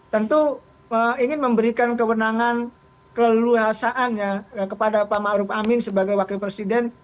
tentu ingin memberikan kewenangan keleluhasaannya kepada pak maruf amin sebagai wakil presiden